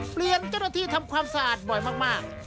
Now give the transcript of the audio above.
เจ้าหน้าที่ทำความสะอาดบ่อยมาก